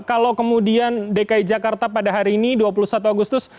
kalau kemudian dki jakarta pada hari ini dua puluh satu agustus